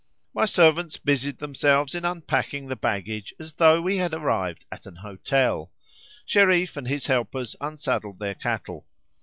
My servants busied themselves in unpacking the baggage as though we had arrived at an hotel—Shereef and his helpers unsaddled their cattle.